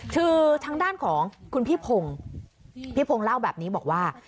คือทางด้านของคุณพี่พงศ์พี่พงศ์เล่าแบบนี้บอกว่า